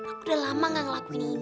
aku udah lama gak ngelakuin ini